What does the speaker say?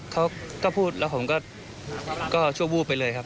เขาก็พูดแล้วผมก็ชั่ววูบไปเลยครับ